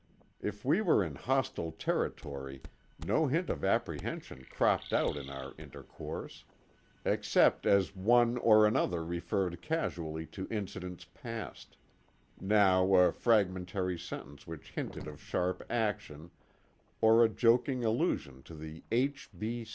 If we were in hostile territory no hint of apprehension cropped out in our intercourse; except as one or another referred casually to incidents past—now a fragmentary sentence which hinted of sharp action, or a joking allusion to the "H.